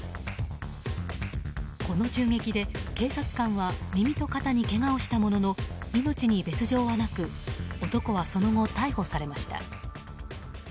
この銃撃で警察官は耳と肩にけがをしたものの命に別条はなく男はその後逮捕されました。